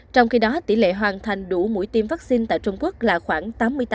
trong khi đó tỷ lệ hoàn thành đủ mũi tiêm vaccine tại trung quốc là khoảng tám mươi tám